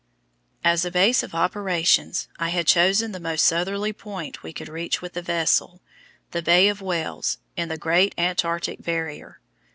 As a base of operations I had chosen the most southerly point we could reach with the vessel the Bay of Whales in the great Antarctic Barrier.